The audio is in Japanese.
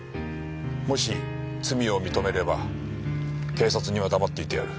「もし罪を認めれば警察には黙っていてやる」